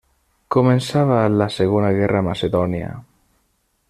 Començava la segona guerra macedònia.